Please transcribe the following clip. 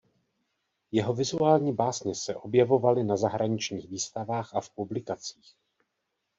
Jeho vizuální básně se objevovaly na zahraničních výstavách a v publikacích.